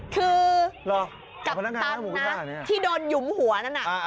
คือกัปตันนะที่โดนหยุมหัวนั่นน่ะ